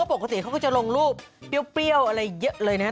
พวกเขาจะเราก็จะลงรูปเปรี้ยวนิ่งเลยนะฮะ